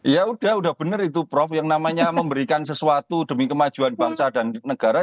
ya udah udah bener itu prof yang namanya memberikan sesuatu demi kemajuan bangsa dan negara